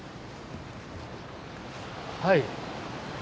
はい。